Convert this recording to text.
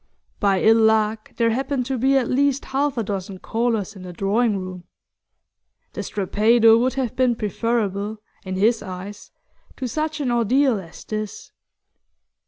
By ill luck there happened to be at least half a dozen callers in the drawing room; the strappado would have been preferable, in his eyes, to such an ordeal as this.